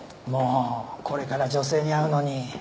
もうこれから女性に会うのに